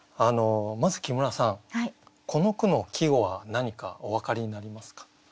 まず木村さんこの句の季語は何かお分かりになりますか？